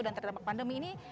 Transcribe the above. dan terdapat pandemi ini